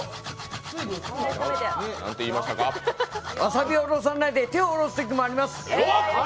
わさびおろさないで手をおろすときもあります。